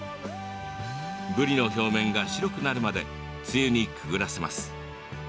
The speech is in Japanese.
ぶりの表面が白くなるまでつゆにくぐらせます。